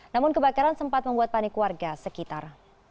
namun kebakaran sempat membuat panik warga sekitar